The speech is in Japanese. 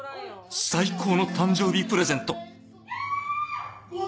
最高の誕生日プレゼント・キャ！